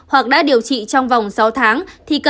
hoặc đã điều trị trong vòng sáu tháng